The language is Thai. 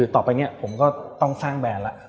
ต่อไปผมก็ต้องสร้างแบรนด์